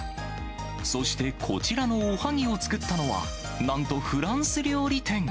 そして、こちらのおはぎを作ったのは、なんとフランス料理店。